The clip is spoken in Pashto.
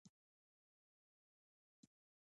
په افغانستان کې د باران منابع شته.